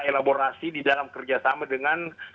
elaborasi di dalam kerjasama dengan